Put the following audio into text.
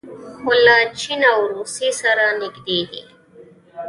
خو له چین او روسیې سره نږدې دي.